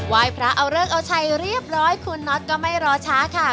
ยพระเอาเลิกเอาชัยเรียบร้อยคุณน็อตก็ไม่รอช้าค่ะ